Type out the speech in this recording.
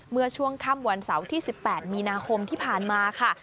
เมื่อช่วงค่ำวันเสาร์ที่๑๘มีนาคมที่ผ่านมาค่ะ